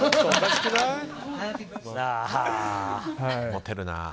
モテるな。